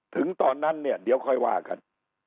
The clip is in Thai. ถึงตอนนั้นเดี๋ยวค่อยว่ากัน